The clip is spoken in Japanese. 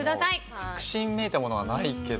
確信めいたものはないけど。